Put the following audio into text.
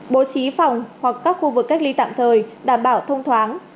bố trí phòng hoặc các khu vực cách ly tạm thời đảm bảo thông thoáng